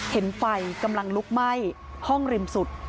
เห็นไฟกำลังลุกไหม้ห้องริมสุด